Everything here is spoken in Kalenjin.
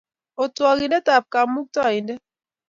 Otwogindetab Kamuktaindet.